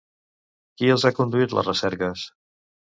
Qui els ha conduït les recerques?